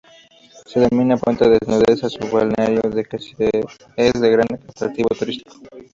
Se denomina "Punta Desnudez" a su balneario, que es de gran atractivo turístico.